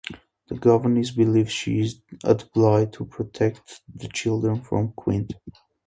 The governess believes she is at Bly to protect the children from Quint.